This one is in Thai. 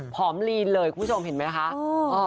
ลีนเลยคุณผู้ชมเห็นไหมคะ